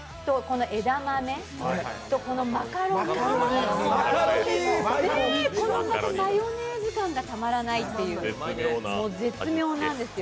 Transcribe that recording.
枝豆とマカロニ、このマヨネーズ感じがたまらないという絶妙なんですよ。